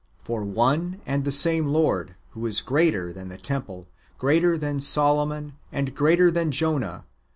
For one and the same Lord, who is greater than the temple, greater than Solomon, and greater than Jonah, con 1 Matt, xxiii.